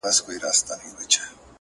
دغه زرين مخ.